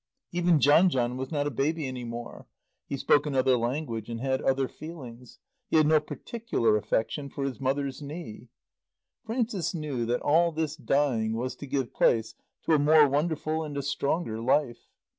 Even John John was not a baby any more; he spoke another language and had other feelings; he had no particular affection for his mother's knee. Frances knew that all this dying was to give place to a more wonderful and a stronger life.